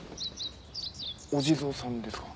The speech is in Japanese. お地蔵さんですか？